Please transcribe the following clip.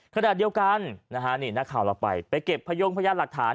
ขนาดเดียวกันนี่หน้าข่าวเราไปไปเก็บพย่มพยานหลักฐาน